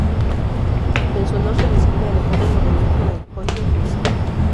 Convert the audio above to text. En su honor se designa el epónimo del núcleo de Kölliker-Fuse.